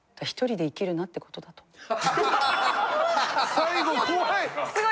最後怖い！